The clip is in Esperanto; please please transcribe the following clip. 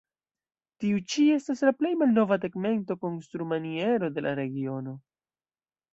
Tiu ĉi estas la plej malnova tegmento-konstrumaniero de la regiono.